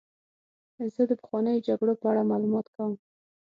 زه د پخوانیو جګړو په اړه مطالعه کوم.